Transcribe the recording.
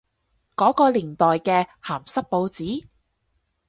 嗰個年代嘅鹹濕報紙？